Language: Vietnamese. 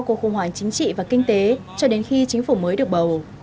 cuộc khủng hoảng chính trị và kinh tế cho đến khi chính phủ mới được bầu